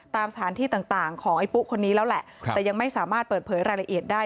ตามสถานที่ต่างของไอ้ปุ๊คนนี้แล้วแหละแต่ยังไม่สามารถเปิดเผยรายละเอียดได้